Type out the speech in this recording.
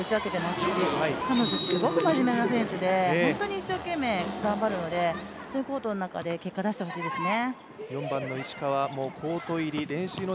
すごく真面目な選手で本当に一生懸命、頑張るのでコートの中で結果を出してほしいですよね。